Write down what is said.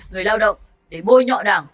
người lao động để bôi nhọ đảng